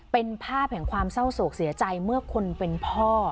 เป็นภาพแห่งความเศร้าโศกเสียใจเมื่อคนเป็นพ่อ